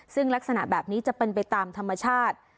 ซึ่งลักษณะแบบนี้จะเป็นไปตามธรรมชาติ